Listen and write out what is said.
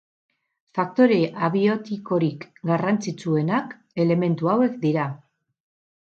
Faktore abiotikorik garrantzitsuenak elementu hauek dira.